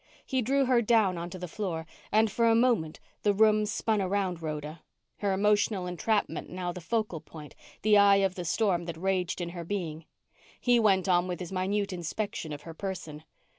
He drew her down onto the floor and, for a moment, the room spun around Rhoda, her emotional entrapment now the focal point, the eye of the storm that raged in her being. He went on with his minute inspection of her person.